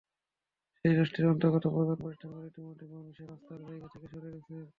সেই রাষ্ট্রের অন্তর্গত প্রধান প্রতিষ্ঠানগুলো ইতিমধ্যেই মানুষের আস্থার জায়গা থেকে সরে গেছে।